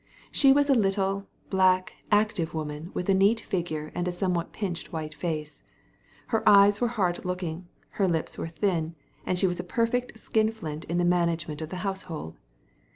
She was a little/ black, active woman, with a neat figure and a somewhat pinched white face. Her eyes were hard looking, her lips were thin, and she was a perfect skinflint in the management of the household.